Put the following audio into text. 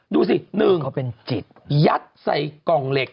ดูสิ๑ยัดใส่กล่องเหล็ก